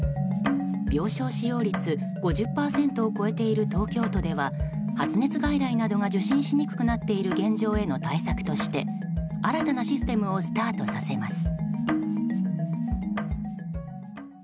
病床使用率５０％を超えている東京都では発熱外来などが受診しにくくなっている現状への対策として新たなシステムをスタートさせます。